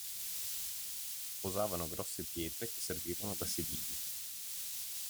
Posavano grosse pietre che servivano da sedili.